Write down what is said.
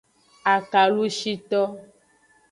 Akalushito.